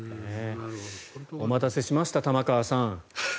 お待たせしました玉川さん。